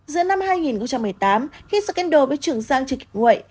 giữa năm hai nghìn một mươi tám khi scandal với trường giang chỉ kịp nguội